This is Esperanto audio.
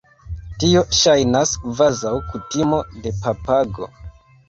Tio ŝajnas kvazaŭ kutimo de papago.